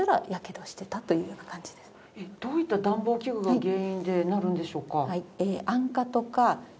どういった暖房器具が原因でなるんでしょうか？